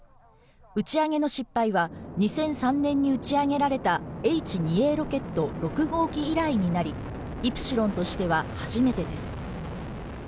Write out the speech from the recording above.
打ち上げの失敗は２００３年に打ち上げられたＨ‐２Ａロケット６号機以来になり、イプシロンとしては初めてです。